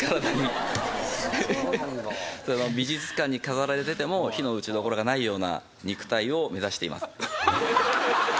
美術館に飾られてても非の打ちどころがないような肉体を目指しています。